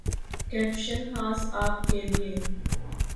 caption خاص آپ کے لیے